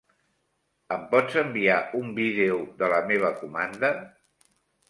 Em pots enviar un vídeo de la meva comanda?